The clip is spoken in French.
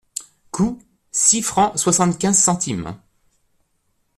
Coût : six francs soixante-quinze centimes.